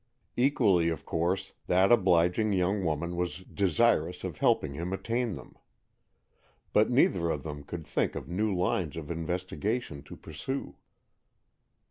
Equally of course, that obliging young woman was desirous of helping him attain them. But neither of them could think of new lines of investigation to pursue.